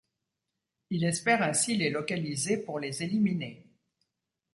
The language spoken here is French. Il espère ainsi les localiser pour les éliminer.